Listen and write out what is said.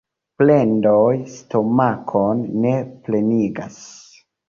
Plendoj stomakon ne plenigas.